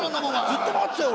ずっと待ってたよ